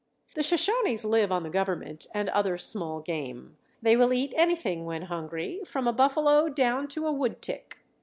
The Shoshones live on the government and other small game. They will eat anything when hungry, from a buffalo down to a woodtick.